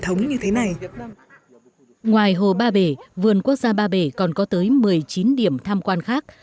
ngoài hồ ba bể vườn quốc gia ba bể còn có tới một mươi chín điểm tham quan khác